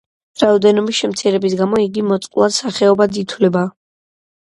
რაოდენობის შემცირების გამო იგი მოწყვლად სახეობად ითვლება.